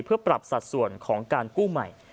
เพื่อปรับสัดส่วนของการกู้ใหม่